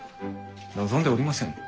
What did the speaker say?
望んでおりませぬ。